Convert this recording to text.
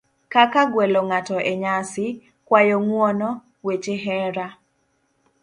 kaka gwelo ng'ato e nyasi, kuayo ng'uono, weche hera,